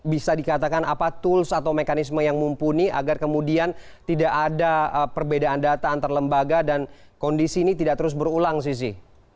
bisa dikatakan apa tools atau mekanisme yang mumpuni agar kemudian tidak ada perbedaan data antar lembaga dan kondisi ini tidak terus berulang sisi